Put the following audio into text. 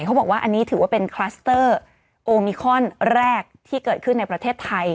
เขาบอกว่าอันนี้ถือว่าเป็นคลัสเตอร์โอมิคอนแรกที่เกิดขึ้นในประเทศไทย